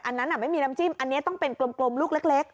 อันนั้นไม่มีน้ำจิ้มอันนี้ต้องเป็นกลมลูกเล็ก